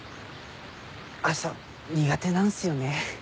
朝苦手なんすよね。